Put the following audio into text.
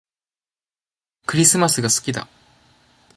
クリスマスが好きだ